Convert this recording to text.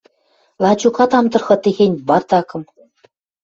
— Лачокат ам тырхы техень... бардакым.